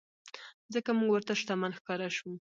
ځکه مونږ ورته شتمن ښکاره شوو.